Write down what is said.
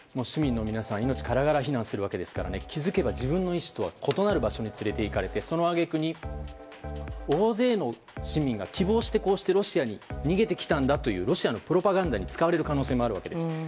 市民の皆さん命からがら避難するわけですから気づけば自分の意志とは異なる場所に連れていかれてその揚げ句に大勢の市民が希望してロシアに逃げてきたんだというロシアのプロパガンダに使われる可能性もあるわけです。